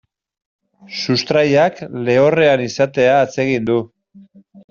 Sustraiak lehorrean izatea atsegin du.